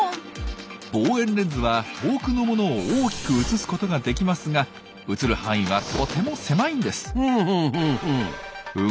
望遠レンズは遠くのものを大きく写すことができますが写る範囲はとても狭いんです。